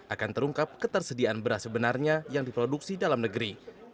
akan terungkap ketersediaan beras sebenarnya yang diproduksi dalam negeri